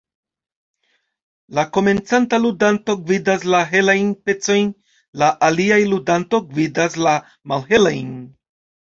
La komencanta ludanto gvidas la helajn pecojn, la alia ludanto gvidas la malhelajn.